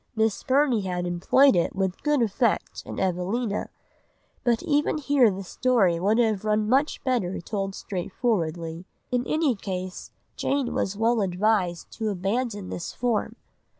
Miss Burney had employed it with good effect in Evelina, but even here the story would have run much better told straightforwardly. In any case Jane was well advised to abandon this form.